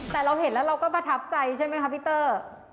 แต่เราเห็นแล้วเราก็ประทับใจใช่ไหมคะพี่เตอร์